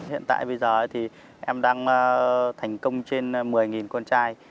hiện tại bây giờ thì em đang thành công trên một mươi con trai